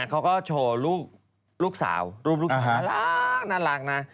เขาก็โชว์ลูกสาวรูปลูกสาวน่ารักนะ